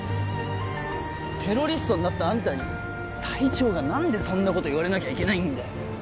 テロリストになったあんたに隊長が何でそんなこと言われなきゃいけないんだよ